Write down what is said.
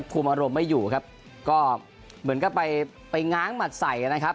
คุมอารมณ์ไม่อยู่ครับก็เหมือนกับไปไปง้างหมัดใส่นะครับ